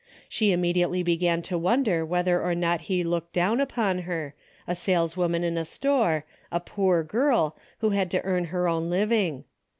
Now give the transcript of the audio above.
She immediately began to wonder whether or not he looked down upon her, a saleswoman in a store, a poor girl, who had to earn her own living.